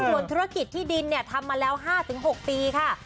ส่วนธุรกิจที่ดินทำมาแล้ว๕๖ปีค่ะ